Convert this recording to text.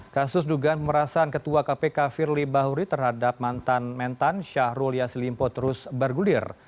kasus dugaan pemberantasan ketua kpk firly bahuri terhadap mantan mentan syahrul yaslimpo terus bergulir